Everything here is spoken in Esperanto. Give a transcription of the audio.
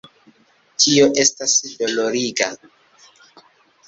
Tio estas doloriga.